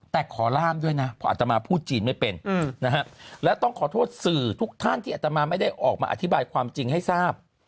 แต่ขอล่ามด้วยนะเพราะอัตมาพูดจีนไม่เป็นนะฮะและต้องขอโทษสื่อทุกท่านที่อัตมาไม่ได้ออกมาอธิบายความจริงให้ทราบ